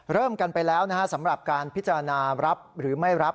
เริ่มกันไปแล้วนะฮะสำหรับการพิจารณารับหรือไม่รับ